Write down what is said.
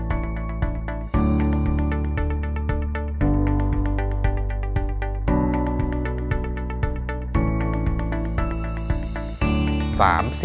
ครอบครัว